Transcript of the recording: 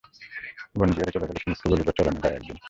বনবিহারী চলিয়া গেলে কুমুদকে বলিল, চলো না যাই একদিন?